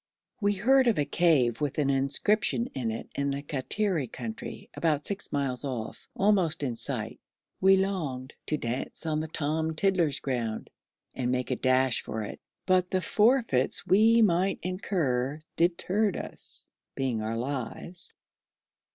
We heard of a cave with an inscription in it in the Kattiri country, about six miles off, almost in sight. We longed 'to dance on Tom Tiddler's ground' and make a dash for it, but the forfeits we might incur deterred us, being our lives.